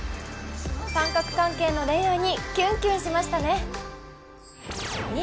三角関係の恋愛にキュンキュンしましたね